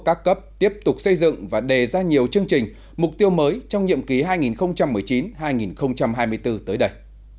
các cấp tiếp tục xây dựng và đề ra nhiều chương trình mục tiêu mới trong nhiệm ký hai nghìn một mươi chín hai nghìn hai mươi bốn tới đây